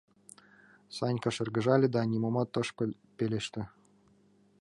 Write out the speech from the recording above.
Санька шыргыжале да нимомат ыш пелеште.